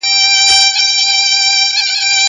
زه اوس سفر کوم!!